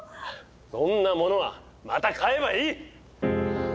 そんなものはまた買えばいい！